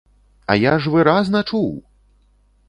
А я ж выразна чуў!